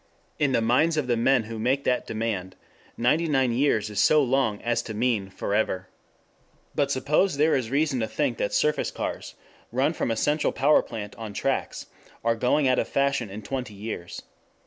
In the minds of the men who make that demand ninety nine years is so long as to mean "forever." But suppose there is reason to think that surface cars, run from a central power plant on tracks, are going out of fashion in twenty years.